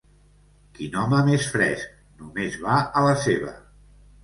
Quin home més fresc: només va a la seva!